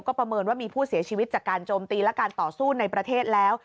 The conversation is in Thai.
ประเมินว่ามีผู้เสียชีวิตจากการโจมตีและการต่อสู้ในประเทศแล้ว